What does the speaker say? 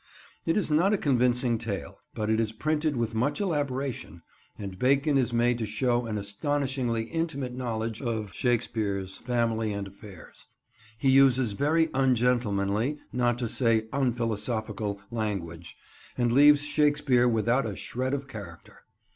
It is not a convincing tale; but it is printed with much elaboration; and Bacon is made to show an astonishingly intimate knowledge of Shakespeare's family and affairs. He uses very ungentlemanly, not to say unphilosophical, language, and leaves Shakespeare without a shred of character.